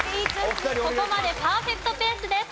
ここまでパーフェクトペースです。